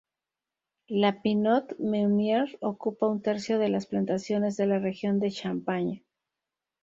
La pinot meunier ocupa un tercio de las plantaciones de la región de Champaña.